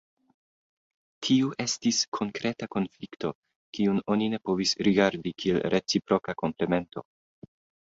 Tiu estis konkreta konflikto, kiun oni ne povis rigardi kiel reciproka komplemento.